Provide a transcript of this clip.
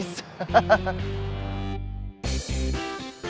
jadi gitu kalau